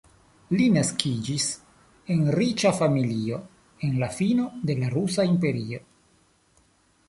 Li naskiĝis en riĉa familio en la fino de Rusa Imperio.